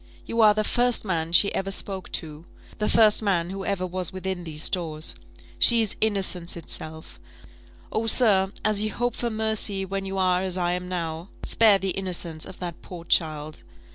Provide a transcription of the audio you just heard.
You are the first man she ever spoke to; the first man who ever was within these doors. She is innocence itself! Oh, sir, as you hope for mercy when you are as I am now, spare the innocence of that poor child!